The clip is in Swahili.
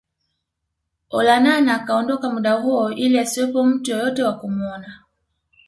Olonana akaondoka muda huo ili asiwepo mtu yeyote wa kumuona